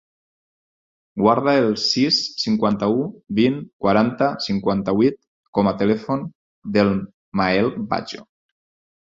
Guarda el sis, cinquanta-u, vint, quaranta, cinquanta-vuit com a telèfon del Mael Bajo.